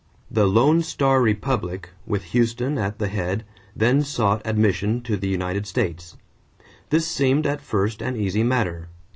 The Lone Star Republic, with Houston at the head, then sought admission to the United States. This seemed at first an easy matter.